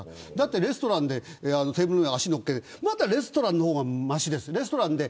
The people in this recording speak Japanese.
レストランでテーブルの上に足を乗せるまだレストランの方がましです。